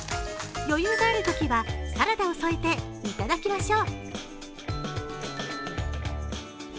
余裕があるときはサラダを添えていただきましょう。